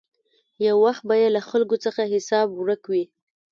یو وخت به یې له خلکو څخه حساب ورک وي.